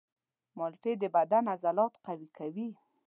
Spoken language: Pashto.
مالټې د بدن عضلات قوي کوي.